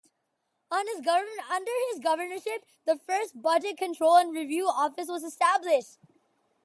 Under his governorship the first budget control and review office was established.